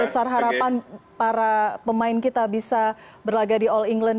besar harapan para pemain kita bisa berlaga di all england